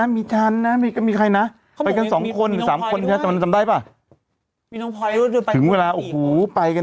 ไม่มี